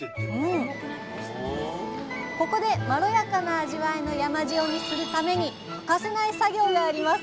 ここでまろやかな味わいの山塩にするために欠かせない作業があります。